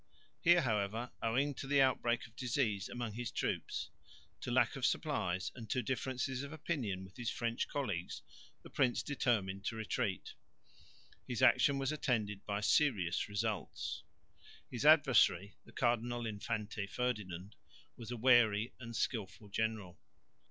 Here however, owing to the outbreak of disease among his troops, to lack of supplies and to differences of opinion with his French colleagues, the prince determined to retreat. His action was attended by serious results. His adversary, the Cardinal Infante Ferdinand, was a wary and skilful general.